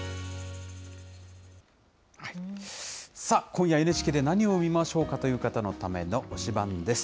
今夜ＮＨＫで何を見ましょうかという方のために推しバンです。